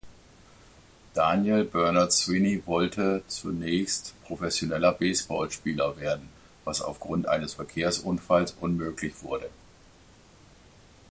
Daniel Bernard Sweeney wollte zunächst professioneller Baseballspieler werden, was aufgrund eines Verkehrsunfalls unmöglich wurde.